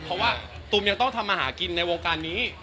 เพราะว่าตูมยังต้องทำมาหากินในวงการนี้